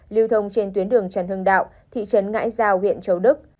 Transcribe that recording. lưu thông trên tuyến đường trần hưng đạo thị trấn ngãi giao huyện châu đức